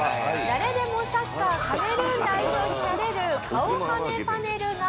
誰でもサッカーカメルーン代表になれる顔はめパネルが。